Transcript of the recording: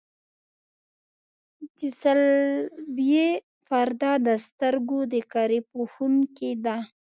د صلبیې پرده د سترګو د کرې پوښوونکې ده.